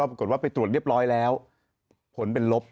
ปรากฏว่าไปตรวจเรียบร้อยแล้วผลเป็นลบ